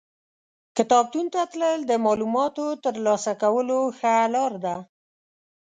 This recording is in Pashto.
کتابتون ته تلل د معلوماتو ترلاسه کولو ښه لار ده.